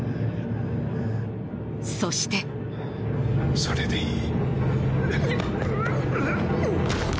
そしてそれでいい。